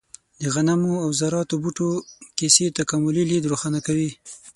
د غنمو او ذراتو بوټو کیسې تکاملي لید روښانه کوي.